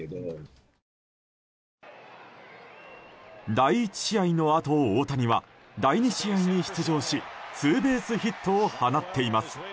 第１試合のあと大谷は第２試合に出場しツーベースヒットを放っています。